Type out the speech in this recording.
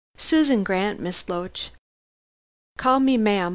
"Susan Grant, Miss Loach." "Call me ma'am.